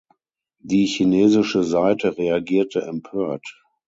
Die chinesische Seite reagierte empört.